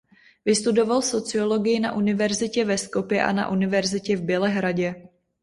Vystudoval sociologii na univerzitě ve Skopje a na univerzitě v Bělehradě.